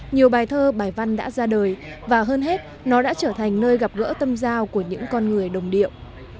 nhiều bài thơ bài văn đã ra đời và hơn hết nó đã trở thành nơi gặp gỡ tâm giao của những con người đồng điệu